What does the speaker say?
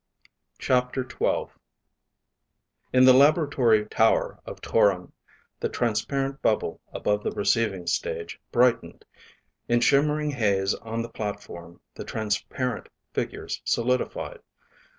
CHAPTER XII In the laboratory tower of Toron, the transparent bubble above the receiving stage brightened. In shimmering haze on the platform, the transparent figures solidified.